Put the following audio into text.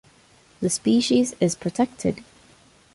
The species is protected.